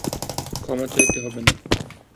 ক্ষমা চাইতে হবে না।